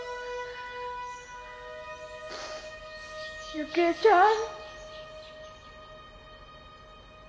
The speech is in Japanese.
幸江ちゃん。